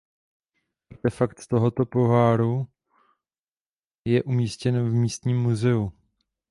Artefakt tohoto poháru je umístěn v místním muzeu.